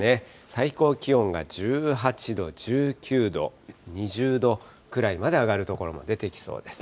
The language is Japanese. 最高気温が１８度、１９度、２０度くらいまで上がる所も出てきそうです。